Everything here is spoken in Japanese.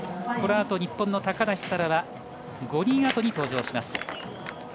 このあと日本の高梨沙羅は５人あとに登場します。